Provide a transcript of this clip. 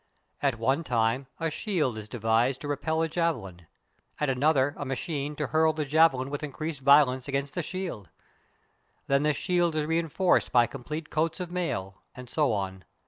At one time a shield is devised to repel a javelin; at another a machine to hurl the javelin with increased violence against the shield; then the shield is reinforced by complete coats of mail, and so on.